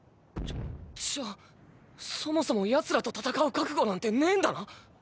じゃじゃあそもそもヤツらと戦う覚悟なんてねぇんだな